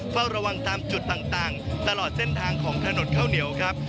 เฝ้าระวังตามจุดต่างตลอดเส้นทางของถนนข้าวเหนียวครับ